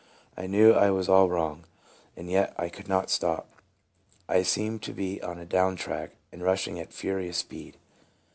I knew I was all wrong, and yet I could not stop. I seemed to be on a down track, and rushing at furious speed.